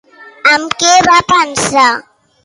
En què va pensar?